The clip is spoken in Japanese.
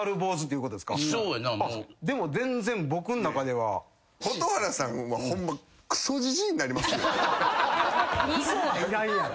でも全然僕の中では。蛍原さんはホンマ。「クソ」はいらんやろ！